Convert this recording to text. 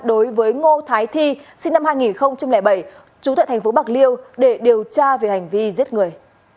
đối với ngô thái thi sinh năm hai nghìn bảy trú tại thành phố bạc liêu để điều tra về hành vi giết người